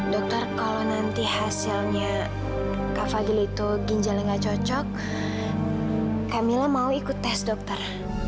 dokter kalau nanti hasilnya kak fadil itu ginjal yang nggak cocok kak mila mau ikut tes dokter